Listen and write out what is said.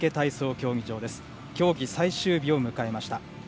競技最終日を迎えました。